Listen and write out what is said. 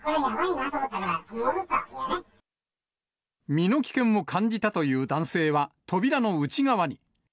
身の危険を感じたという男性は、扉の内側に。